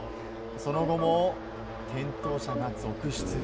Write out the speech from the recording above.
その後も転倒者が続出。